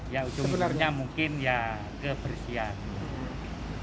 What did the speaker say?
ya ujung ujungnya mungkin ya kebersihan